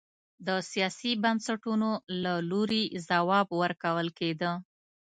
د سیاسي بنسټونو له لوري ځواب ورکول کېده.